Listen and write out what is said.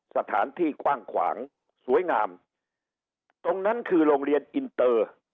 สถานที่กว้างขวางสวยงามตรงนั้นคือโรงเรียนอินเตอร์